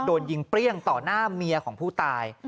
โดนยิงเปรี้ยงต่อหน้าเมียของผู้ตาย